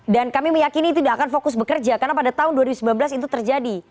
dan kami meyakini tidak akan fokus bekerja karena pada tahun dua ribu sembilan belas itu terjadi